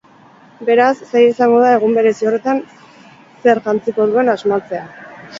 Beraz, zaila izango da egun berezi horretan zer jantziko duen asmatzea.